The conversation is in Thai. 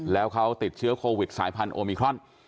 แล้วเขาติดเชื้อโควิดสายพันธุมิครอน